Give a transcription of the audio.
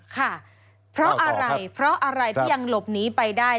ค่ะเพราะอะไรเพราะอะไรที่ยังหลบหนีไปได้